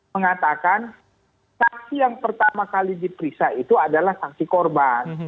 mengatakan saksi yang pertama kali diperiksa itu adalah saksi korban